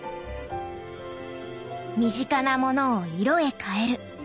身近なものを色へ変える。